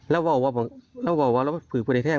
แล้วมีเป็นใครอยู่กันไหม